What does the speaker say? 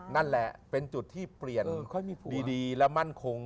นั่นแหละเป็นจุดที่เปลี่ยนดีและมั่นคง